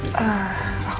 kamu kenapa sih